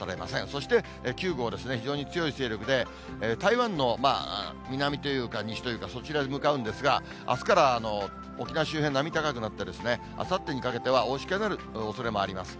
そして９号ですね、非常に強い勢力で、台湾の南というか、西というか、そちらへ向かうんですが、あすから沖縄周辺、波高くなって、あさってにかけては大しけになるおそれもあります。